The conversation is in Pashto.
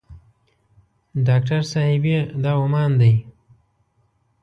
ډاکټر صاحبې دا عمان دی.